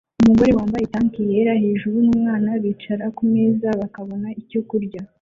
Umugore wambaye tank yera hejuru numwana bicara kumeza bakabona icyo kurya